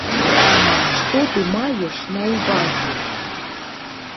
Што ты маеш на ўвазе?